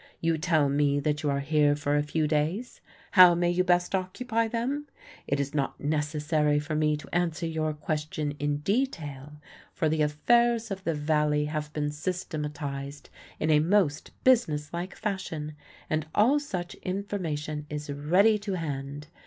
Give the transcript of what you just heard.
You tell me that you are here for a few days. How may you best occupy them? It is not necessary for me to answer your question in detail, for the affairs of the Valley have been systematized in a most businesslike fashion, and all such information is ready to hand.